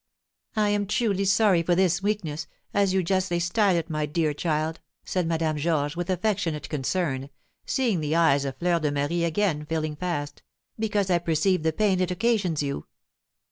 "I am truly sorry for this weakness, as you justly style it, my dear child," said Madame Georges, with affectionate concern, seeing the eyes of Fleur de Marie again filling fast, "because I perceive the pain it occasions you."